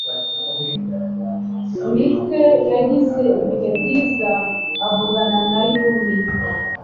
Mike yagize ibihe byiza avugana na Yumi.